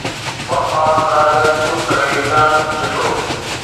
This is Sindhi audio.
وفا، فراغت، ڏک ۽ وجدان ڏٺو